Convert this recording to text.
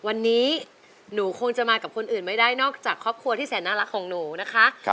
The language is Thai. วันนี้หนูคงจะมากับคนอื่นไม่ได้นอกจากครอบครัวที่แสนน่ารักของหนูนะคะ